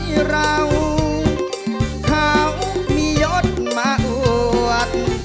ที่เราขาวมีหยดมาอวด